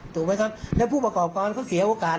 ถูกไหมครับแล้วผู้ประกอบการเขาเสียโอกาส